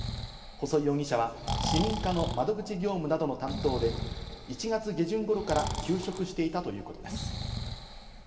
細井容疑者は市民課の窓口業務などの担当で、１月下旬頃から休職していたということです。